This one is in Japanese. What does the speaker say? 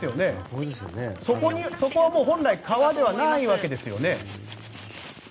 そこはもう本来川ではないわけですよね。